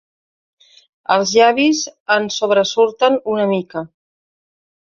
Els llavis en sobresurten una mica.